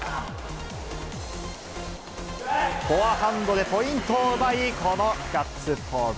フォアハンドでポイントを奪い、このガッツポーズ。